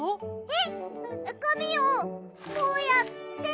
えっかみをこうやって。